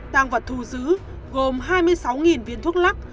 tăng vật thu giữ gồm hai mươi sáu viên thuốc lắc